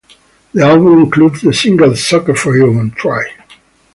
The album includes the singles "Sucker for You" and "Try".